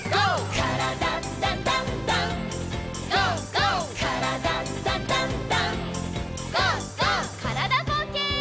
からだぼうけん。